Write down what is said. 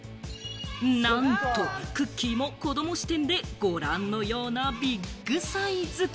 なんとクッキーも子ども視点でご覧のようなビッグサイズ。